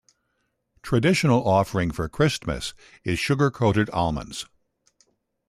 Traditional offering for Christmas is sugar coated almonds.